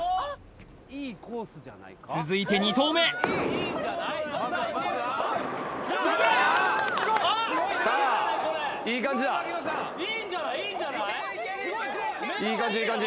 続いて２投目さあいい感じだいい感じいい感じ